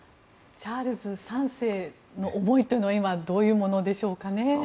チャールズ３世の思いというのは今、どういうものでしょうかね。